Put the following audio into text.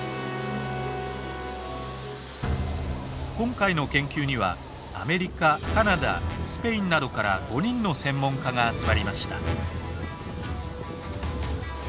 今回の研究にはアメリカカナダスペインなどから５人の専門家が集まりました。